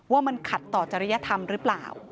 ว่ามันขัดต่อจริยธรรมหรือเปล่า